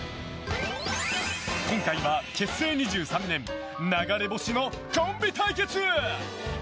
今回は結成２３年流れ星☆のコンビ対決。